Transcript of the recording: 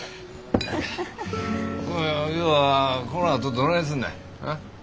今日はこのあとどないすんねん。